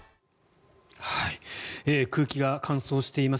空気が乾燥しています。